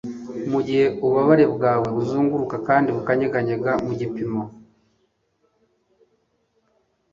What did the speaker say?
Mugihe ububabare bwawe buzunguruka kandi bukanyeganyega mubipimo